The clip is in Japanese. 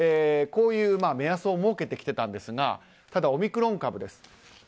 こういう目安を設けてきてたんですがただオミクロン株です。